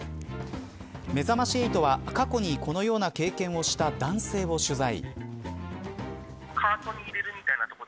めざまし８は、過去にこのような経験をした男性を取材。